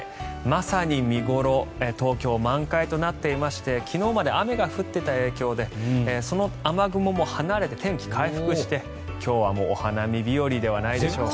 まさに見頃東京、満開となっていまして昨日まで雨が降っていた影響でその雨雲も離れて天気回復して、今日はお花見日和ではないでしょうか。